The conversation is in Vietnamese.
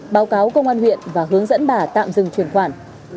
báo cáo công an huyện và hướng dẫn bà tạm dừng chuyển khoản